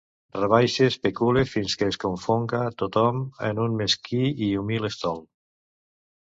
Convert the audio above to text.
Rebaixe, especule, fins que es confonga tothom en un mesquí i humil estol.